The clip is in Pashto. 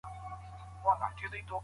استاد زیار وویل چي مخینه په نظر کې ونیسئ.